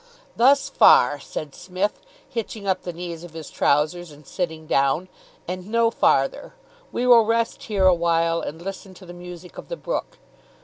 "Thus far," said Psmith, hitching up the knees of his trousers, and sitting down, "and no farther. We will rest here awhile, and listen to the music of the brook.